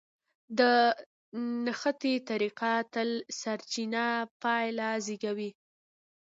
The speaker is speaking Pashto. د نښتې طريقه تل سرچپه پايله زېږوي.